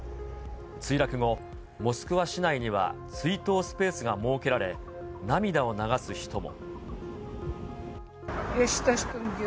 墜落後、モスクワ市内には追悼スペースが設けられ、涙を流す人も。